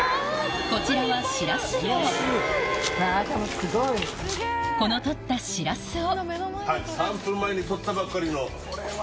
こちらはこの取ったシラスを・